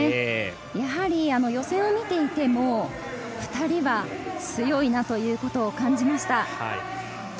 やはり予選を見ていても、２人は強いなということを感じました。